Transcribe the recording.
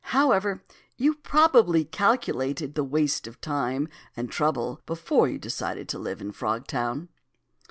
However, you probably calculated the waste of time and the trouble before you decided to live in Frogtown."